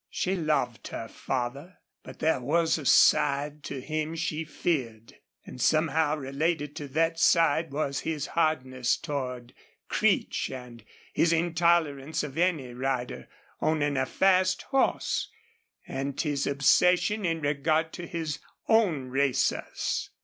She loved her father, but there was a side to him she feared. And somehow related to that side was his hardness toward Creech and his intolerance of any rider owning a fast horse and his obsession in regard to his own racers.